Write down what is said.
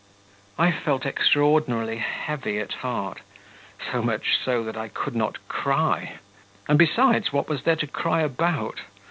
I felt extraordinarily heavy at heart, so much so that I could not cry ... and, besides, what was there to cry about...?